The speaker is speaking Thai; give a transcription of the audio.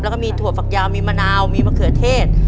แล้วก็มีถั่วฝักยาวมีมะนาวมีมะเขือเทศ